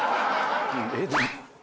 えっ？